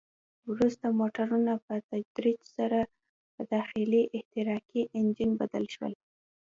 وروسته موټرونه په تدریج سره په داخلي احتراقي انجن بدل شول.